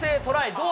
どう？